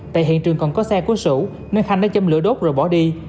tại hiện trường còn có xe của sủ nên khanh đã châm lửa đốt rồi bỏ đi